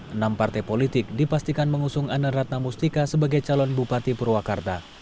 enam partai politik dipastikan mengusung ane ratnamustika sebagai calon bupati purwakarta